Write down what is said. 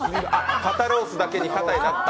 肩ロースだけに、肩になった。